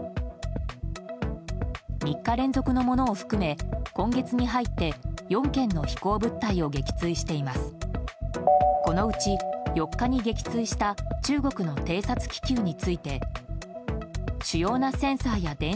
３日連続のものを含め今月に入って４件の飛行物体を撃墜しています。